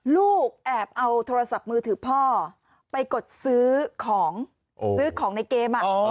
ลูกแอบเอาโทรศัพท์มือถือพ่อไปกดซื้อของซื้อของในเกม